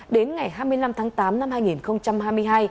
đến ngày hai mươi năm tháng tám năm hai nghìn hai mươi hai